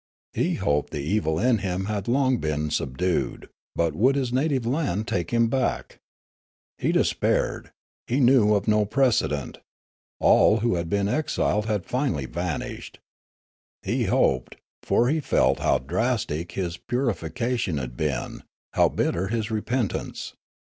He hoped the evil in him had been long subdued ; but would his native land take him back ? He despaired ; he knew of no precedent ; all who had been exiled had finally vanished. He hoped, for he felt how drastic his puri fication had been, how bitter his repentance.